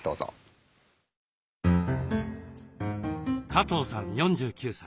加藤さん４９歳。